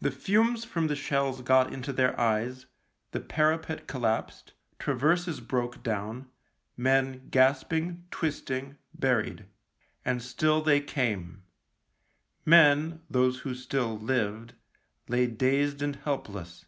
The fumes from the shells got into their eyes, the parapet collapsed, traverses broke down, men gasping, twist ing, buried. And still they came. Men, those who still lived, lay dazed and help less.